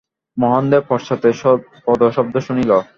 মহেন্দ্র পশ্চাতে পদশব্দ শুনিল।